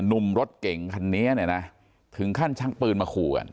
หนุ่มรถเก่งคันนี้เนี่ยนะถึงขั้นชักปืนมาขู่กัน